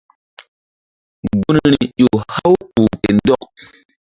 Gunri ƴo haw kpuh ke ndɔk.